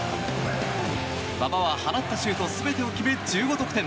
馬場は放ったシュート全てを決め１５得点。